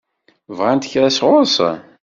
Bɣant kra sɣur-sen?